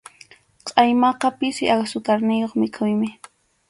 Qʼaymaqa pisi asukarniyuq mikhuymi.